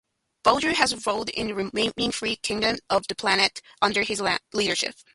Boulder has rallied the remaining free kingdoms of the planet under his leadership.